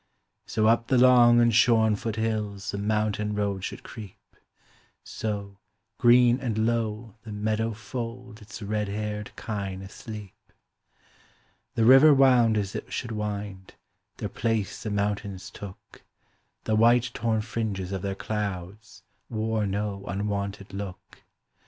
So up the long and shorn foot hills The mountain road should creep; So, green and low, the meadow fold Its red haired kine asleep. The river wound as it should wind; Their place the mountains took; The white torn fringes of their clouds Wore no unwonted look.